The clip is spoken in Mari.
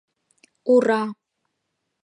— Ура-а!